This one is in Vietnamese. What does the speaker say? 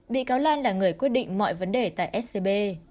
bị cáo lan là người quyết định mọi vấn đề tại scb